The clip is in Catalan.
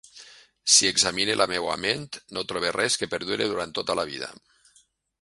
Si examine la meua ment, no trobe res que perdure durant tota la vida.